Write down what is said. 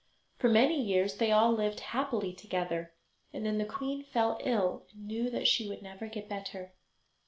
For many years they all lived happily together, and then the queen fell ill, and knew that she would never get better.